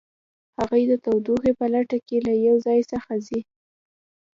هغوی د تودوخې په لټه کې له یو ځای څخه ځي